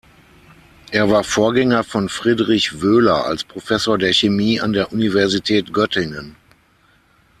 Er war Vorgänger von Friedrich Wöhler als Professor der Chemie an der Universität Göttingen.